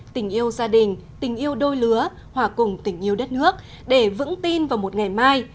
tình yêu gia đình tình yêu đôi lứa hòa cùng tình yêu đất nước để vững tin vào một ngày mai